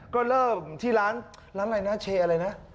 ก็เริ่มที่ร้านร้านอะไรนะเชอะไรนะ